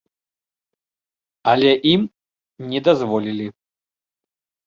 Але ім не дазволілі.